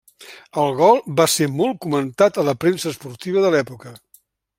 El gol va ser molt comentat a la premsa esportiva de l'època.